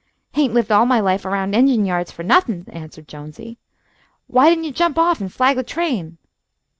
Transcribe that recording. "Hain't lived all my life around engine yards fer nothin'," answered Jonesy. "Why didn't you jump off and flag the train?"